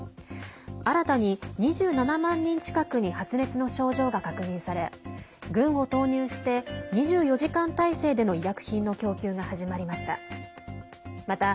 新たに２７万人近くに発熱の症状が確認され軍を投入して２４時間態勢での医薬品の供給が始まりました。